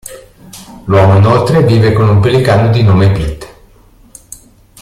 L'uomo, inoltre, vive con un pellicano di nome Pete.